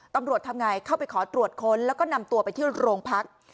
ตำรวจทำไงเข้าไปขอตรวจค้นแล้วก็นำตัวไปที่โรงพัก